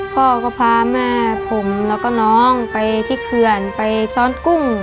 พ่อก็พาแม่ผมแล้วก็น้องไปที่เขื่อนไปซ้อนกุ้ง